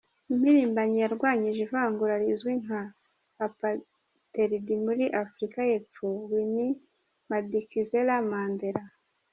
Impirimbanyi yarwanyije ivangura rizwi nka Apartheid muri Afurika y’Epfo, Winnie Madikizela Mandela.